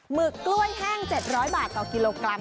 หึกกล้วยแห้ง๗๐๐บาทต่อกิโลกรัม